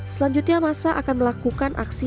selanjutnya masa akan melakukan aksi